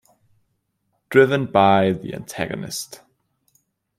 Driven by the antagonist.